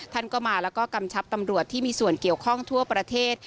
ท่านก็มาแล้วก็กำชับตำรวจที่มีส่วนเกี่ยวข้องทั่วประเทศ